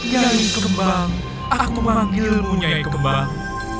jaih kembang aku memanggilmu jaih kembang